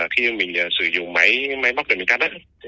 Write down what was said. khi mình sử dụng máy máy móc để mình cắt đó